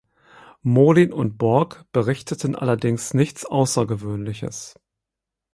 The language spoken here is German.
Molin und Borg berichten allerdings nichts Außergewöhnliches.